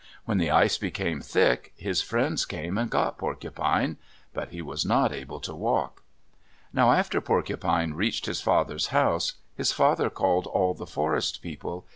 When the ice became thick, his friends came and got Porcupine; but he was not able to walk. Now after Porcupine reached his father's house, his father called all the Forest People.